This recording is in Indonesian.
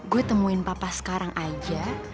gue temuin papa sekarang aja